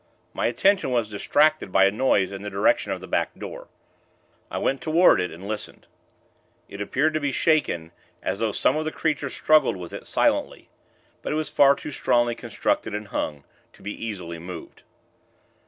My attention was distracted by a noise in the direction of the back door. I went toward it, and listened. It appeared to be shaken, as though some of the creatures struggled with it, silently; but it was far too strongly constructed and hung to be easily moved.